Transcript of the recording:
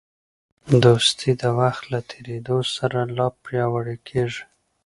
دوستي د وخت له تېرېدو سره لا پیاوړې کېږي.